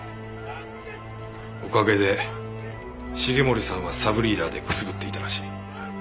おかげで繁森さんはサブリーダーでくすぶっていたらしい。